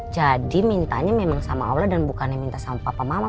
jadi mintanya memang sama allah dan bukannya minta sama papa mama